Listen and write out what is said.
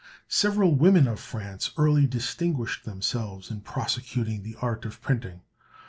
Several women of France early distinguished themselves in prosecuting the art of printing.